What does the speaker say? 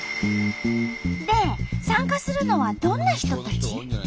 で参加するのはどんな人たち？